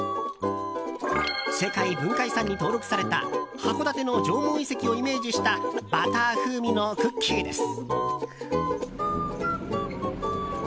世界文化遺産に登録された函館の縄文遺跡をイメージしたバター風味のクッキーです。